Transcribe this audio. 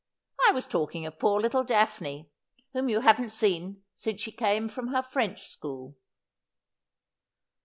I was talking of poor little Daphne, whom you haven't seen since she came from her French school.'